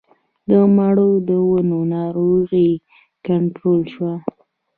د مڼو د ونو ناروغي کنټرول شوه؟